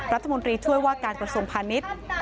รัฐมนตรีช่วยว่าการกระทรวงพาณิชย์